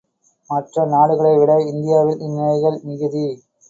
மற்ற நாடுகளைவிட இந்தியாவில் இந்நிலைகள் மிகுதி.